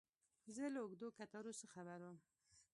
زه له اوږدو کتارونو څه خبر وم.